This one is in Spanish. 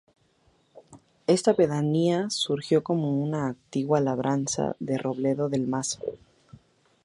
Esta pedanía surgió como una antigua labranza de Robledo del Mazo.